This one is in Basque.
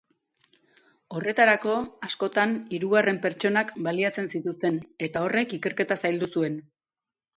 Horretarako, askotan hirugarren pertsonak baliatzen zituzten eta horrek ikerketa zaildu zuen.